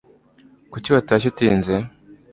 kuki watashye utinze